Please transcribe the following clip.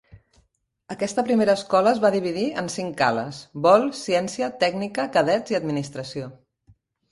Aquesta primera escola es va dividir en cinc "ales": vol, ciència, tècnica, cadets i administració.